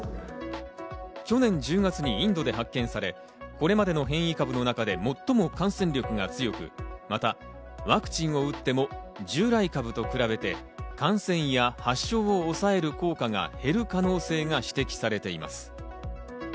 去年１０月にインドで発見され、これまでの変異株の中で最も感染力が強く、またワクチンを打っても従来株と比べて感染や発症を抑える効果が減る可能性が指摘されています。